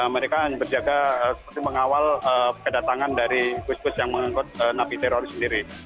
mereka berjaga mengawal kedatangan dari kus kus yang mengangkut napi teroris sendiri